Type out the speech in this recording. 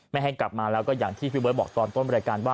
ให้กลับมาแล้วก็อย่างที่พี่เบิร์ตบอกตอนต้นรายการว่า